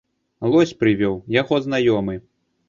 Лось прывёў, яго знаёмы.